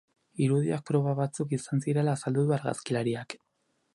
Irudiak proba batzuk izan zirela azaldu du argazkilariak.